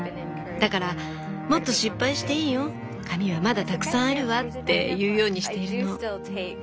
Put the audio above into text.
だからもっと失敗していいよ紙はまだたくさんあるわって言うようにしているの。